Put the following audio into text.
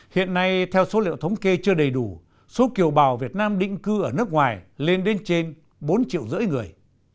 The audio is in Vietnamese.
hiện nay theo số liệu thống kê chưa đầy đủ số kiều bào việt nam định cư ở nước ngoài lên đến trên bốn triệu rưỡi người